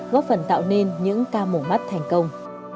góp phần tạo nên những ca mổ mắt thành công